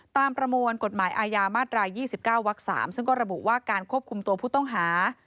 ประมวลกฎหมายอาญามาตราย๒๙วัก๓ซึ่งก็ระบุว่าการควบคุมตัวผู้ต้องหา